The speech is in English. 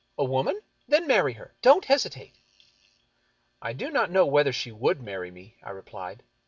"A woman? Then marry her. Don't hesitate." " I do not know whether she would marry me," I replied.